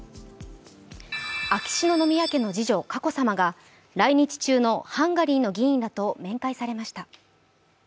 秋篠宮家の次女・佳子さまが来日中のハンガリーの議員らと面会されました。